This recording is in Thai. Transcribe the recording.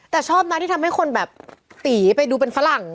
แต่ชอบนะที่ทำให้คนแบบตีไปดูเป็นฝรั่ง